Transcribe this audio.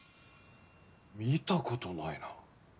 見たことないな。